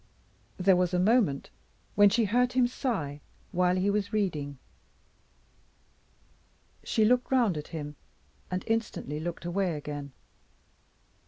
There was a moment when she heard him sigh while he was reading. She looked round at him, and instantly looked away again.